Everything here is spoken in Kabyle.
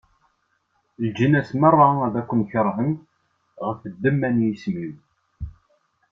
Leǧnas meṛṛa ad ken-keṛhen ɣef ddemma n yisem-iw.